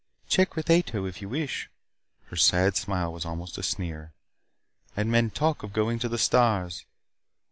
"Check with Ato if you wish." Her sad smile was almost a sneer. "And men talk of going to the stars.